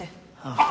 あっ！